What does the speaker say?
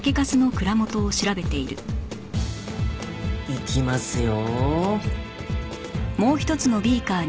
いきますよ！